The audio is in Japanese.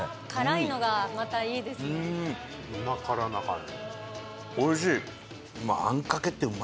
うま辛な感じ。